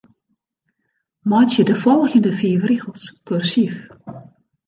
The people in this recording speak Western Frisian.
Meitsje de folgjende fiif rigels kursyf.